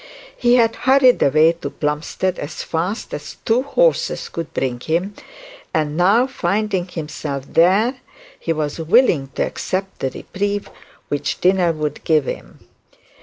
He had hurried away to Plumstead as fast as two horses could bring him, and now, finding himself there, he was willing to accept the reprieve which dinner would give him.